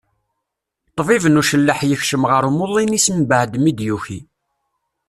Ṭbib n ucelleḥ yekcem ɣer umuḍin-is mbaɛd mi d-yuki.